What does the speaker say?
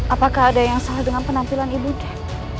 apakah ada yang salah dengan penampilan ibu teh